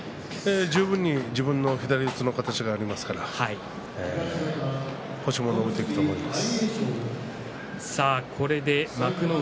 十分に自分の左四つの形がありますから星も伸びていくと思います。